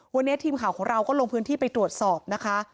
วันนี้ทีมข่าวของเราก็ลงพื้นที่ไปตรวจสอบนะคะ